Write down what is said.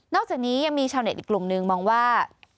อกจากนี้ยังมีชาวเน็ตอีกกลุ่มหนึ่งมองว่า